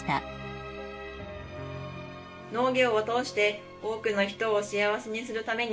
農業を通して多くの人を幸せにするために。